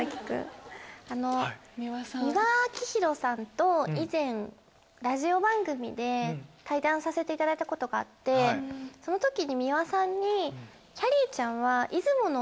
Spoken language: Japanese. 美輪明宏さんと以前ラジオ番組で対談させていただいたことがあってその時に美輪さんに「きゃりーちゃんは」。